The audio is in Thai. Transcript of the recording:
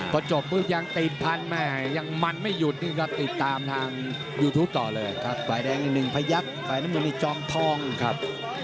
ถ้าจบแล้วยังติดพันยังมันไม่หยุดก็ติดตามทางยูทูปต่อเลยครับ